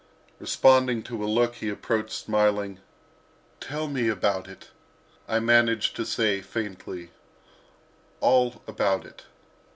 Responding to a look he approached, smiling. "Tell me about it," I managed to say, faintly—"all about it."